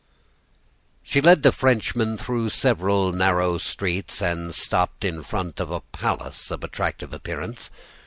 "She led the Frenchman through several narrow streets and stopped in front of a palace of attractive appearance.